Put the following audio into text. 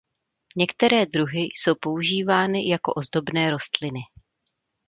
Některé druhy jsou používány jako ozdobné rostliny.